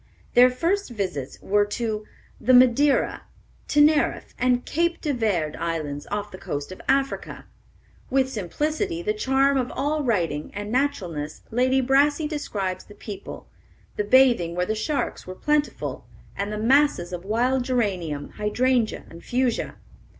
Their first visits were to the Madeira, Teneriffe, and Cape de Verde Islands, off the coast of Africa. With simplicity, the charm of all writing, and naturalness, Lady Brassey describes the people, the bathing where the sharks were plentiful, and the masses of wild geranium, hydrangea, and fuchsia.